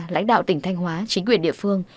lãnh đạo tỉnh thanh hóa chính quyền địa phương